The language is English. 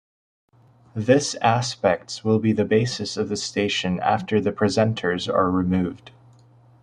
This aspects will be the basis of the station after the presenters are removed.